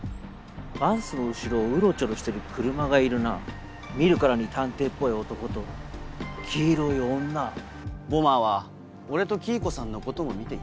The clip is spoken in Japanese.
バスの後ろをウロチョロして見るからに探偵っぽい男と黄色い女ボマーは俺と黄以子さんのことも見ていた。